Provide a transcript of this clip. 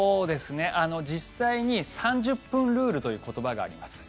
実際に３０分ルールという言葉があります。